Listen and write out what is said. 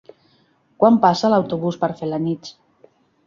Quan passa l'autobús per Felanitx?